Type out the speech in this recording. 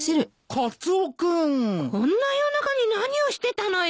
こんな夜中に何をしてたのよ！？